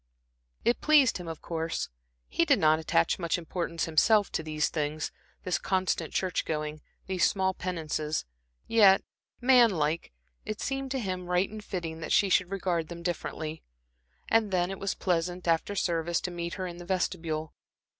It pleased him, of course. He did not attach much importance, himself, to these things this constant church going, these small penances; yet, manlike, it seemed to him right and fitting that she should regard them differently. And then it was pleasant, after service, to meet her in the vestibule.